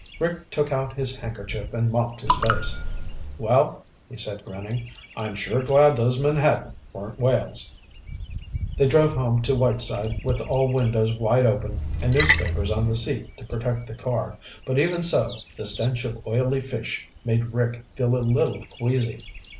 Rick took out his handkerchief and mopped his face. "Well," he said, grinning, "I'm sure glad those menhaden weren't whales." They drove home to Whiteside with all windows wide open and newspapers on the seat to protect the car, but even so, the stench of oily fish made Rick feel a little queasy.